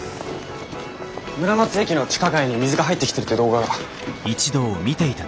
村松駅の地下街に水が入ってきてるって動画が。